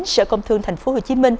sở công thương tp hcm